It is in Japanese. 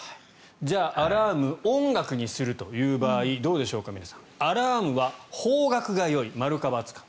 じゃあ、アラーム音楽にするという場合どうでしょうか皆さんアラームは邦楽がよい○か×か。